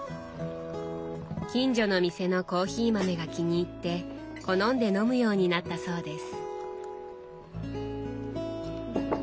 近所の店のコーヒー豆が気に入って好んで飲むようになったそうです。